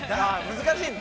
◆難しいんだ。